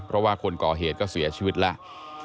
เพราะว่าคนก่อเหตุก็เสียชีวิตแล้ว